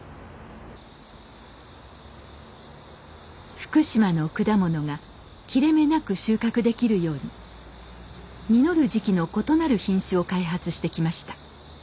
福島の果物が切れ目なく収穫できるように実る時期の異なる品種を開発してきました。